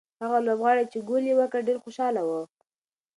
هغه لوبغاړی چې ګول یې وکړ ډېر خوشاله و.